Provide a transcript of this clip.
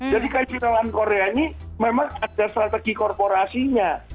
jadi kajian korea ini memang ada strategi korporasinya